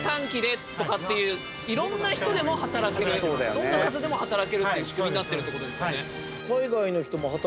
どんな方でも働けるって仕組みになってるってことですよね。